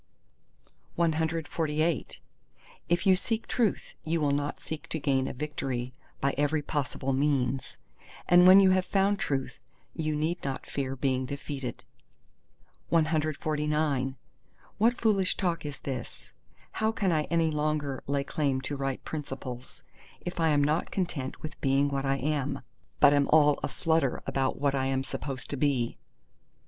CXLIX If you seek Truth, you will not seek to gain a victory by every possible means; and when you have found Truth, you need not fear being defeated. CL What foolish talk is this? how can I any longer lay claim to right principles, if I am not content with being what I am, but am all aflutter about what I am supposed to be?